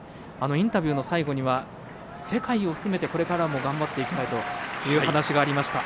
インタビューの最後には世界を含めて、これからも頑張っていきたいという話がありました。